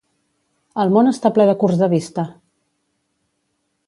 El món està ple de curts de vista!